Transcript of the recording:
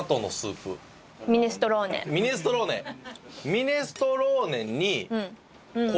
ミネストローネ！